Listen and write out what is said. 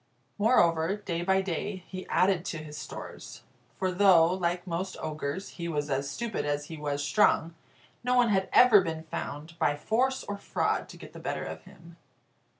Moreover, day by day, he added to his stores; for though (like most ogres) he was as stupid as he was strong, no one had ever been found, by force or fraud, to get the better of him.